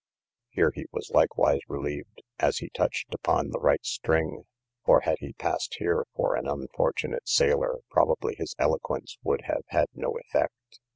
Here he was likewise relieved, as he touched upon the right string; for had he passed here for an unfortunate sailor, probably his eloquence would have had no effect.